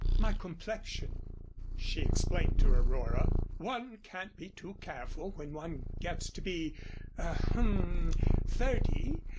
"My complexion," she explained to Aurora. "One can't be too careful when one gets to be ahem thirty.